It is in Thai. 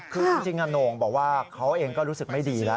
คือจริงโหน่งบอกว่าเขาเองก็รู้สึกไม่ดีแล้ว